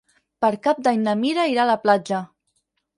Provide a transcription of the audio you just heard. Per Cap d'Any na Mira irà a la platja.